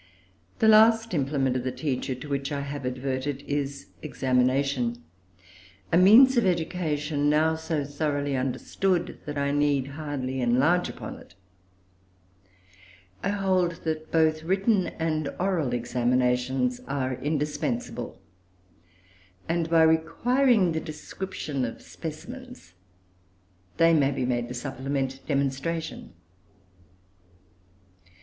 The last implement of the teacher to which I have adverted is examination a means of education now so thoroughly understood that I need hardly enlarge upon it. I hold that both written and oral examinations are indispensable, and, by requiring the description of specimens, they may be made to supplement demonstration.